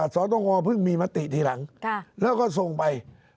สตงเพิ่งมีมัตติทีหลังก็ส่งไปค่ะ